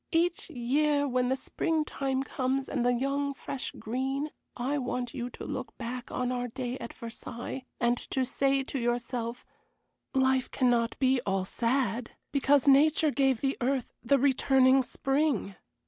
Each year, when the spring time comes and the young fresh green, I want you to look back on our day at Versailles, and to say to yourself, 'Life cannot be all sad, because nature gave the earth the returning spring.'